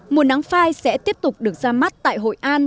mùa nắng phai sẽ tiếp tục được ra mắt tại hội an